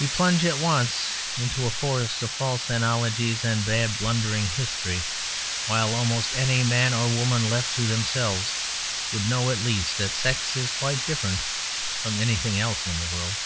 We plunge at once into a forest of false analogies and bad blundering history; while almost any man or woman left to themselves would know at least that sex is quite different from anything else in the world.